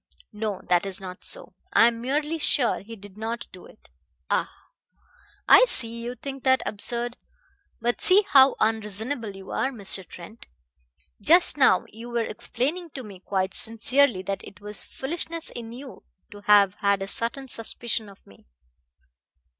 No, that is not so. I am merely sure he did not do it. Ah! I see you think that absurd. But see how unreasonable you are, Mr. Trent! Just now you were explaining to me quite sincerely that it was foolishness in you to have had a certain suspicion of me."